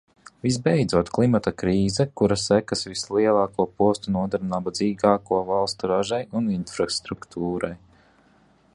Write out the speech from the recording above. Visbeidzot, klimata krīze, kuras sekas vislielāko postu nodara nabadzīgāko valstu ražai un infrastruktūrai.